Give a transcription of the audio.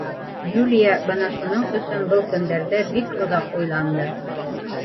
Юлия бына шуның өсөн был көндәрҙә бик оҙаҡ уйланды.